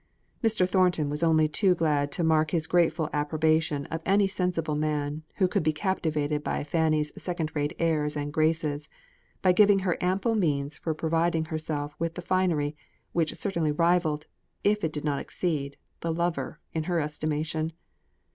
Mr. Thornton was only too glad to mark his grateful approbation of any sensible man, who could be captivated by Fanny's second rate airs and graces, by giving her ample means for providing herself with the finery, which certainly rivalled, if it did not exceed, the lover in her estimation.